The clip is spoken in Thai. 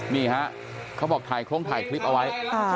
นี่ฮะเขาบอกถ่ายโครงถ่ายคลิปเอาไว้